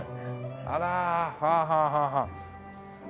あらはあはあはあはあ。